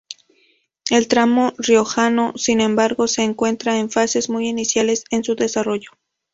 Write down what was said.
El tramo riojano, sin embargo, se encuentra en fases muy iniciales de su desarrollo.